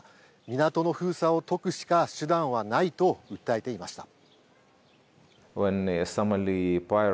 港の封鎖を解くしか手段はないと訴えていました。